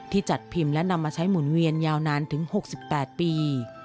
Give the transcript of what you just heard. จัดพิมพ์และนำมาใช้หมุนเวียนยาวนานถึง๖๘ปี